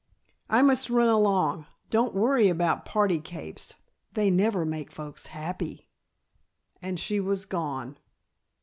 "I must run along. Don't worry about party capes; they never make folks happy!" and she was gone.